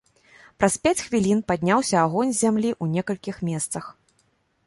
Праз пяць хвілін падняўся агонь з зямлі ў некалькіх месцах.